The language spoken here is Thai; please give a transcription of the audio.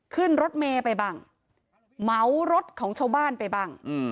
ขึ้นรถเมย์ไปบ้างเหมารถของชาวบ้านไปบ้าง